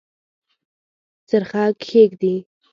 څرخه کښیږدي